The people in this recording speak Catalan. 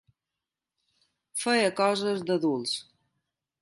Feia coses d'adults.